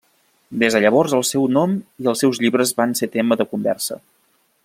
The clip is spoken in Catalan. Des de llavors, el seu nom i els seus llibres van ser tema de conversa.